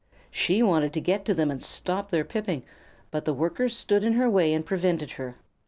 She wanted to get to them and stop their piping, but the Workers stood in her way and prevented her.